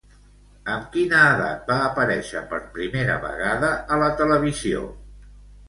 Amb quina edat va aparèixer per primera vegada a la televisió?